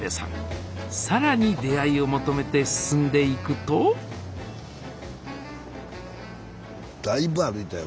さらに出会いを求めて進んでいくとスタジオだいぶ歩いたよ